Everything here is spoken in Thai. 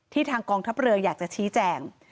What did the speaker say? ทางกองทัพเรืออยากจะชี้แจง